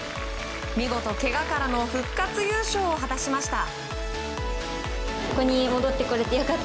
見事、けがからの復活優勝を果たしました。